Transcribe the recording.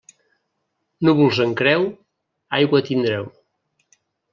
Núvols en creu, aigua tindreu.